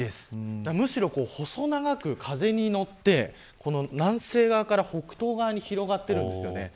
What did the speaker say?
むしろ細長く風に乗って南西側から北東側に広がっているんですよね。